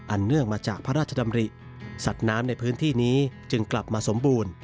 เนื่องมาจากพระราชดำริสัตว์น้ำในพื้นที่นี้จึงกลับมาสมบูรณ์